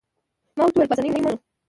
ما ورته وویل: پاسیني مړ شو.